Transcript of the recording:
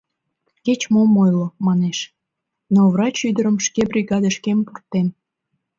— Кеч-мом ойло, — манеш, — но врач ӱдырым шке бригадышкем пуртем.